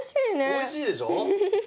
おいしいでしょ？